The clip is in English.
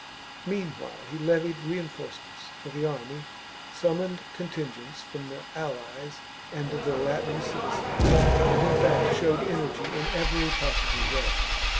Meanwhile, he levied reinforcements for the army, summoned contingents from the allies and the Latin citizens, and in fact showed energy in every possible way.